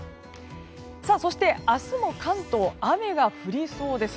そして明日も関東、雨が降りそうです。